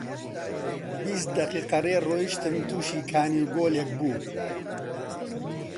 بیست دەقیقە ڕێ ڕۆیشتم، تووشی کانی و گۆلێک بوو